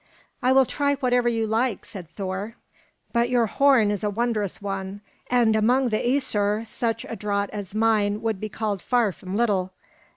"I will try whatever you like," said Thor; "but your horn is a wondrous one, and among the Æsir such a draught as mine would be called far from little.